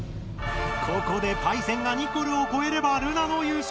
ここでパイセンがニコルをこえればルナの優勝！